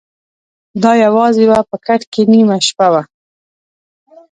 د ا یوازي وه په کټ کي نیمه شپه وه